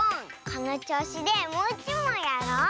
このちょうしでもういちもんやろう！